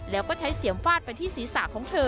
แล้วก็ใช้เสียมฟาดไปที่ศีรษะของเธอ